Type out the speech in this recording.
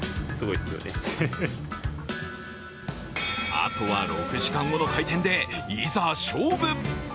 あとは６時間後の開店でいざ勝負。